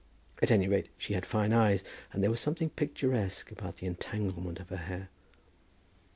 At any rate she had fine eyes, and there was something picturesque about the entanglement of her hair.